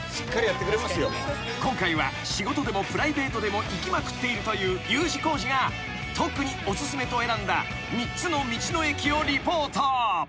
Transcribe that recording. ［今回は仕事でもプライベートでも行きまくっているというＵ字工事が特にお薦めと選んだ３つの道の駅をリポート］